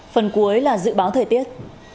phần cuối là dự báo thời tiết